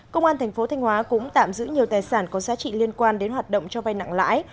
công an thành phố thanh hóa cũng tạm giữ nhiều tài sản có giá trị liên quan đến hoạt động cho vay nặng lãi